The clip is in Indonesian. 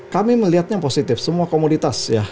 kami melihatnya positif semua komoditas ya